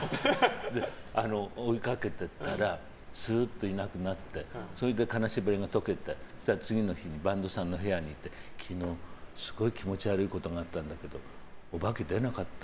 追いかけてったらスーっていなくなってそれで金縛りが解けて、そしたら次の日に昨日、すごい気持ち悪いことがあったんだけどオバケ出なかった？